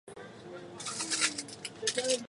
浅裂翠雀花为毛茛科翠雀属的植物。